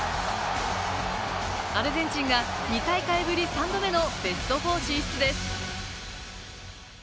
アルゼンチンが２大会ぶり３度目のベスト４進出です。